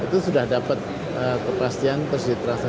itu sudah dapat kepastian terus diterapkan